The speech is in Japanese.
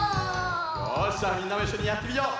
よしじゃみんなもいっしょにやってみよう。